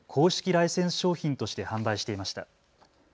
ライセンス商品として販売していました。